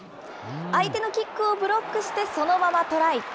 相手のキックをブロックしてそのままトライ。